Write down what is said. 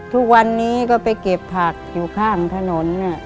ทุกวันนี้ก็ไปเก็บผักอยู่ข้างถนน